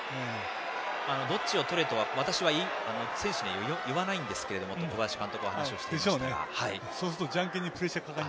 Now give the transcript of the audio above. どっちをとれとは私は選手には言わないと小林監督は話していました。